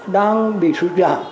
đang bị sụt giảm